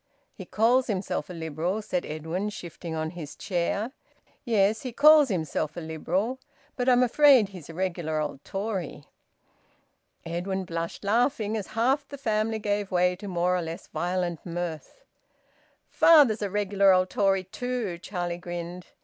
"He calls himself a Liberal," said Edwin, shifting on his chair. "Yes, he calls himself a Liberal. But I'm afraid he's a regular old Tory." Edwin blushed, laughing, as half the family gave way to more or less violent mirth. "Father's a regular old Tory too," Charlie grinned.